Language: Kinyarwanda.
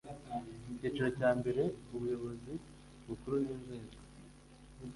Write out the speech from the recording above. Icyiciro cya mbere Ubuyobozi Bukuru n inzego